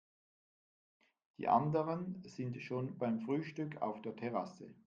Die anderen sind schon beim Frühstück auf der Terrasse.